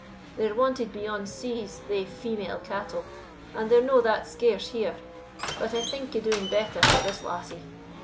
They're wanted beyond seas thae female cattle, and they're no that scarce here. But I think o' doing better for this lassie.